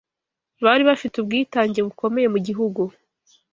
bari bafite ubwitange bukomeye mu Gihugu